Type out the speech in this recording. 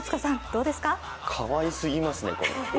かわいすぎますね。